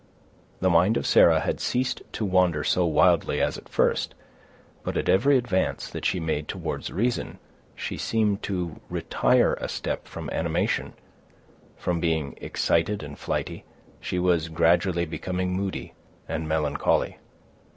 The mind of Sarah had ceased to wander so wildly as at first; but at every advance that she made towards reason, she seemed to retire a step from animation; from being excited and flighty, she was gradually becoming moody and melancholy.